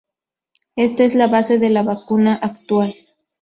Esta es la base de la vacuna actual.